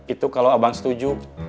itu kalau abang setuju